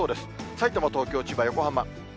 さいたま、東京、千葉、横浜。